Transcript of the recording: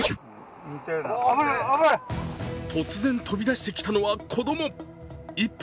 突然、飛び出してきたのは子供一歩